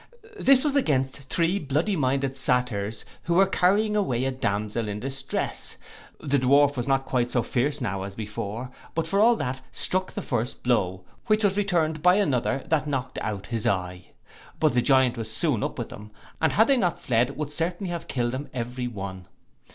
This was against three bloody minded Satyrs, who were carrying away a damsel in distress. The Dwarf was not quite so fierce now as before; but for all that, struck the first blow, which was returned by another, that knocked out his eye: but the Giant was soon up with them, and had they not fled, would certainly have killed them every one.